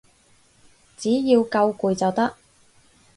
只要夠攰就得